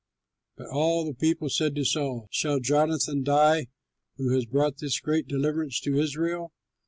But all the people said to Saul, "Shall Jonathan die who has brought this great deliverance to Israel?